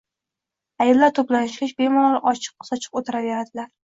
Ayollar to'planishgach, bemalol ochiq-sochiq o'tiraveradilar.